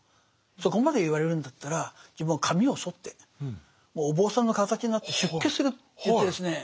そこまで言われるんだったら自分は髪をそってもうお坊さんの形になって出家すると言ってですね